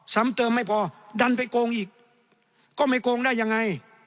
ซ้ำเติมไม่พอดันไปโกงอีกก็ไม่โกงได้ยังไง